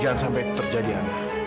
jangan sampai itu terjadi edo